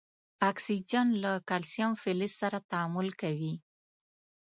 اکسیجن له کلسیم فلز سره تعامل کوي.